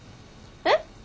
えっ？